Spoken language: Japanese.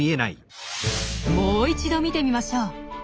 もう一度見てみましょう。